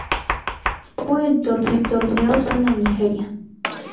El juego y el torneo se otorgaron a Nigeria.